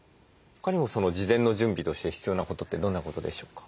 他にも事前の準備として必要なことってどんなことでしょうか？